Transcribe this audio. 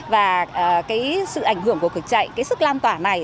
và sự ảnh hưởng của cuộc chạy sức lan tỏa này